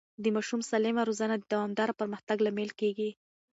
د ماشوم سالمه روزنه د دوامدار پرمختګ لامل کېږي.